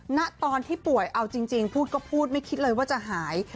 ณตอนที่ป่วยเอาจริงพูดก็พูดไม่คิดเลยว่าจะหาย